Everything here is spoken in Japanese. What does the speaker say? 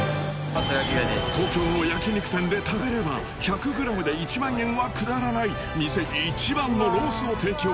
東京の焼肉店で食べれば１００グラムで１万円はくだらない店一番のロースを提供